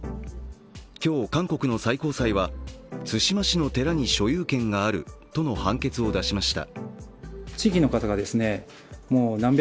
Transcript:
今日、韓国の最高裁は対馬市の寺に所有権があるとの判決を出しました。